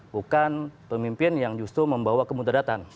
bukan pemimpin yang justru membawa kemudaratan